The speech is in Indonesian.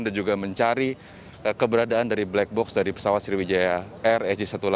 dan juga mencari keberadaan dari black box dari pesawat sriwijaya r hg satu ratus delapan puluh dua